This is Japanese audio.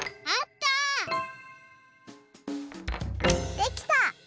できた！